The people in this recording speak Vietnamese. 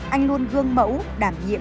anh luôn gương mẫu đảm nhiệm